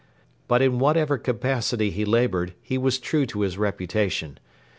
But in whatever capacity he laboured he was true to his reputation.